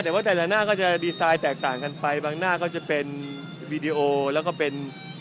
แต่ว่าแต่ละหน้าก็จะดีไซน์แตกต่างกันไปบางหน้าก็จะเป็นวีดีโอแล้วก็เป็น